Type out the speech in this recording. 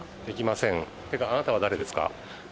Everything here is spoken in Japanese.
できませんてかあなたは誰ですか？